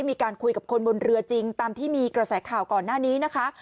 มีการคุยกับคนบนเรือจริงตามที่มีกระแสข่าวก่อนหน้านี้นะคะ